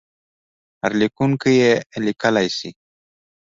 هر لیکونکی یې لیکلای شي.